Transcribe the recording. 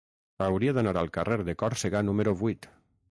Hauria d'anar al carrer de Còrsega número vuit.